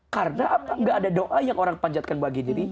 karena apa gak ada doa yang orang panjatkan bagi dirinya